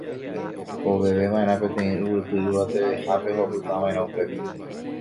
Oveveva'erã peteĩ yvyty yvatevehápe ha opytava'erã upépe.